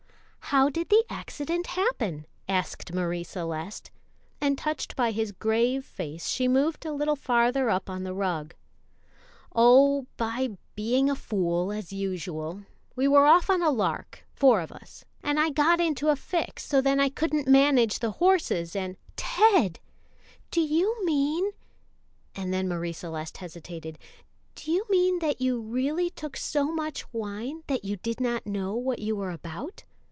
"How did the accident happen?" asked Marie Celeste; and touched by his grave face, she moved a little farther up on the rug. "Oh, by being a fool, as usual! We were off on a lark, four of us, and I got into a fix so than I couldn't manage the horses, and " "Ted, do you mean" and then Marie Celeste hesitated "do you mean that you really took so much wine that you did not know what you were about?"